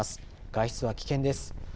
外出は危険です。